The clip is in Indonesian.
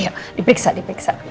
ayo diperiksa diperiksa